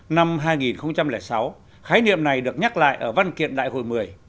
năm hai nghìn sáu khái niệm này được nhắc lại ở văn kiện đại hội một mươi